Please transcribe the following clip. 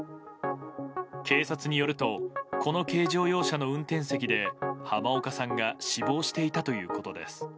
警察によるとこの軽乗用車の運転席で濱岡さんが死亡していたということです。